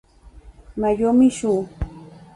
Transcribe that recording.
Mayumi Shō